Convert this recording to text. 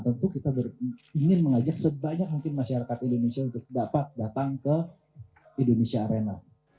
tentu kita ingin mengajak sebanyak mungkin masyarakat indonesia untuk dapat datang ke indonesia arena